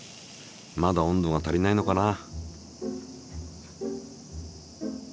まだ温度が足りないのかな？